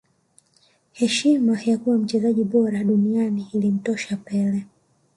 heshima ya kuwa mchezaji bora duniani ilimtosha pele